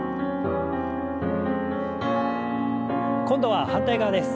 今度は反対側です。